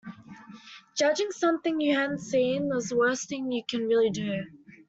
Judging something you haven't seen is the worst thing you can really do.